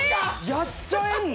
やっちゃえるの？